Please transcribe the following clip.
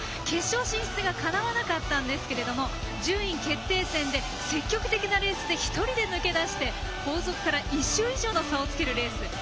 決勝進出がかなわなかったんですけど順位決定戦で積極的なレースで１人で抜け出して、後続から１周以上の差をつけるレース。